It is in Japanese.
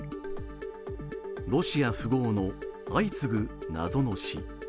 ロシア富豪の相次ぐ謎の死。